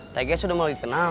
tag nya sudah mulai di kenal